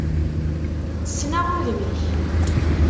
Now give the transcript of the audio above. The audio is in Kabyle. Ssneɣ udem-ik.